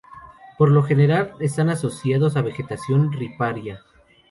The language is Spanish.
Por lo general están asociadas a vegetación riparia.